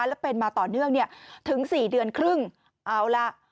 และเป็นมาต่อเนื่องเนี่ยถึง๔เดือนครึ่งเอาล่ะ